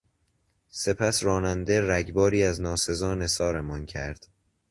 سپس راننده رگباری از ناسزا نثارمان کرد.